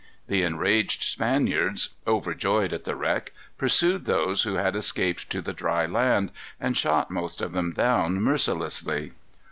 The enraged Spaniards, overjoyed at the wreck, pursued those who had escaped to the dry land, and shot most of them down, mercilessly.